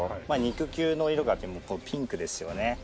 まあ肉球の色がこうピンクですよね。